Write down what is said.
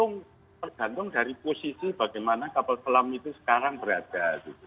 tergantung dari posisi bagaimana kapal selam itu sekarang berada